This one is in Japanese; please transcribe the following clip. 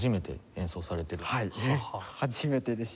初めてです。